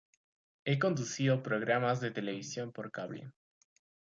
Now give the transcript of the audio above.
Ha conducido programas de televisión por cable.